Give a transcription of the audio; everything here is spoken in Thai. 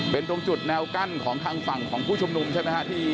เป็นตรงจุดแนวกั้นของทางฝั่งของผู้ชุมนุมใช่ไหมฮะ